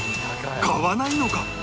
買わないのか？